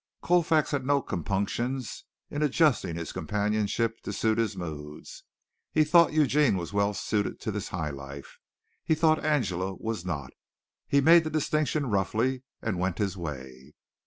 Colfax had no compunctions in adjusting his companionship to suit his moods. He thought Eugene was well suited to this high life. He thought Angela was not. He made the distinction roughly and went his way.